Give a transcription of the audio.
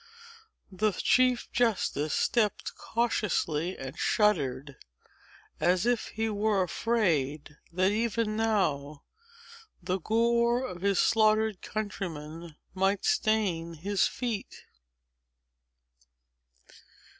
The chief justice stept cautiously, and shuddered, as if he were afraid, that, even now, the gore of his slaughtered countrymen might stain his feet.